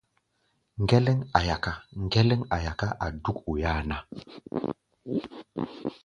Ŋgɛlɛŋ a̧ yaká, ŋgɛlɛŋ a̧ yaká, a̧ dúk oi-áa ná.